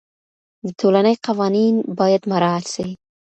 د ټولني قوانین باید مراعات سي.